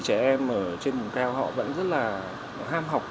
em ở trên nguồn cao họ vẫn rất là ham học